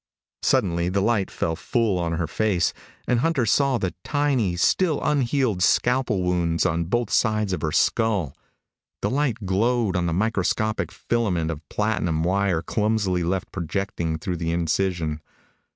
Suddenly the light fell full on her face, and Hunter saw the tiny, still unhealed scalpel wounds on both sides of her skull. The light glowed on the microscopic filament of platinum wire clumsily left projecting through the incision.